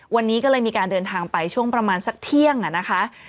วันนี้ก็เลยมีการเดินทางไปช่วงประมาณสักเที่ยงนะคะ